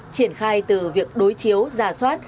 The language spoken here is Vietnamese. triển khai từ việc đối chiếu giả soát